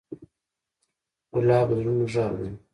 ګلاب د زړونو غږ دی.